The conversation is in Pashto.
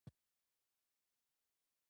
د واسطې رول په کار موندنه کې څومره دی؟